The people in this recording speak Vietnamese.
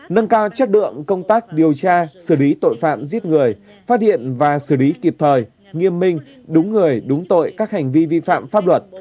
nâng cao chất lượng công tác điều tra xử lý tội phạm giết người phát hiện và xử lý kịp thời nghiêm minh đúng người đúng tội các hành vi vi phạm pháp luật